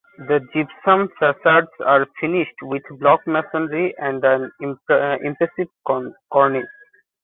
The gypsum facades are finished with block masonry and an impressive cornice.